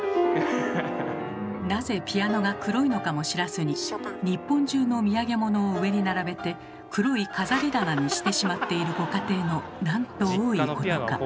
なぜピアノが黒いのかも知らずに日本中の土産物を上に並べて黒い飾り棚にしてしまっているご家庭のなんと多いことか。